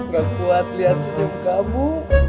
gak kuat lihat senyum kamu